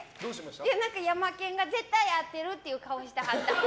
何かヤマケンが絶対合ってるって顔してはった。